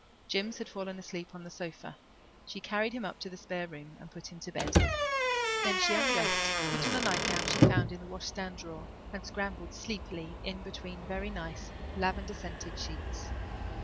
Jims had fallen asleep on the sofa; she carried him up to the spare room and put him to bed. Then she undressed, put on a nightgown she found in the washstand drawer, and scrambled sleepily in between very nice lavender scented sheets.